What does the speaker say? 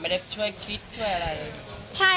ไม่ได้ช่วยคิดอะไร